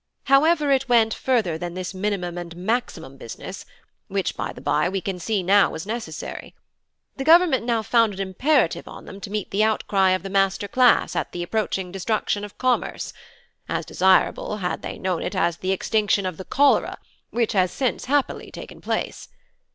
However it went further than this minimum and maximum business, which by the by we can now see was necessary. The government now found it imperative on them to meet the outcry of the master class at the approaching destruction of Commerce (as desirable, had they known it, as the extinction of the cholera, which has since happily taken place).